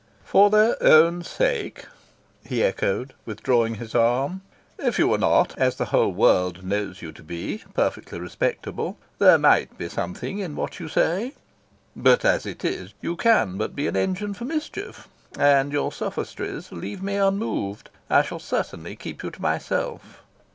"For their own sake?" he echoed, withdrawing his arm. "If you were not, as the whole world knows you to be, perfectly respectable, there might be something in what you say. But as it is, you can but be an engine for mischief; and your sophistries leave me unmoved. I shall certainly keep you to myself."